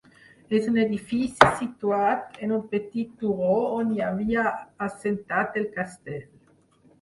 És un edifici situat en un petit turó on hi havia assentat el castell.